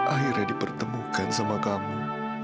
akhirnya dipertemukan sama kamu